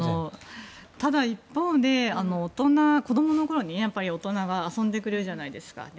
ただ一方で子供のころに大人が遊んでくれるじゃないですか。